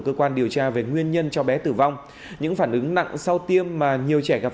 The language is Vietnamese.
cơ quan điều tra về nguyên nhân cháu bé tử vong những phản ứng nặng sau tiêm mà nhiều trẻ gặp